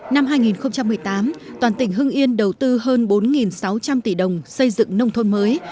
năm hai nghìn một mươi tám toàn tỉnh hưng yên đầu tư hơn bốn sáu trăm linh tỷ đồng xây dựng nông thôn mới